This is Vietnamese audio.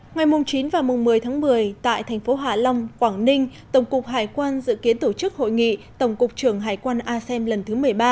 ngày chín và một mươi tháng một mươi tại thành phố hạ long quảng ninh tổng cục hải quan dự kiến tổ chức hội nghị tổng cục trưởng hải quan asem lần thứ một mươi ba